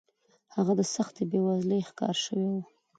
هغه د سختې بېوزلۍ ښکار شوی و